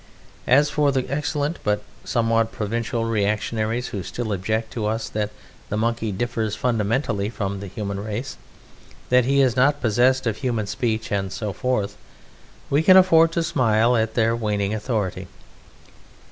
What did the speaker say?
As for the excellent but somewhat provincial reactionaries who still object to us that the Monkey differs fundamentally from the human race; that he is not possessed of human speech, and so forth, we can afford to smile at their waning authority.